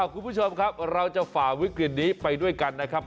คุณผู้ชมครับเราจะฝ่าวิกฤตนี้ไปด้วยกันนะครับ